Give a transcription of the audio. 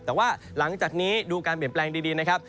แต่ว่าหลังจากนี้ดูการเปลี่ยนแปลงดีนะครับ